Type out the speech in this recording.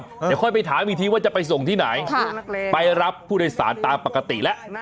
เดี๋ยวค่อยไปถามอีกทีว่าจะไปส่งที่ไหนไปรับผู้โดยสารตามปกติแล้ว